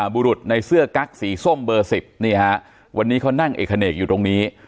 บุรุษในเสื้อกั๊กสีส้มเบอร์๑๐นี่ฮะวันนี้เขานั่งเอกเนกอยู่ตรงนี้